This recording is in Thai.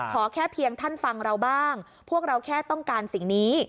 ขอแค่เพียงท่านฟังเราบ้างพวกเราแค่ต้องการสิ่งนี้